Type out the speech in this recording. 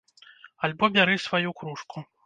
Альбо бяры сваю кружку.